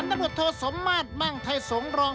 อันตรวจโทษสมมาตย์มั่งไทยสงรอง